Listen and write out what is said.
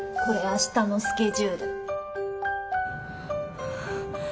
これ明日のスケジュール。